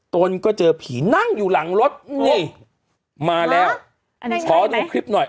ตนก็เจอผีนั่งอยู่หลังรถนี่มาแล้วอันนี้ค่อยไหมขอดูคลิปหน่อย